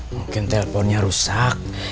mungkin telponnya rusak